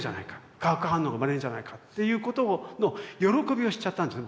化学反応が生まれるんじゃないかっていうことの喜びを知っちゃったんですね